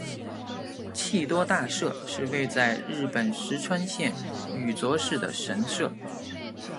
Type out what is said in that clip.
气多大社是位在日本石川县羽咋市的神社。